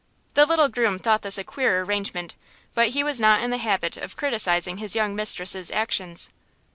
The little groom thought this a queer arrangement, but he was not in the habit of criticising his young mistress's actions.